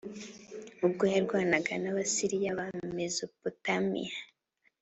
ubwo yarwanaga n Abasiriya b i Mezopotamiya